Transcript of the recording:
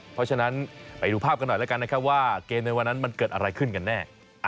เพราะฉะนั้นไปดูภาพกันหน่อยแล้วกันนะครับว่าเกมในวันนั้นมันเกิดอะไรขึ้นกันแน่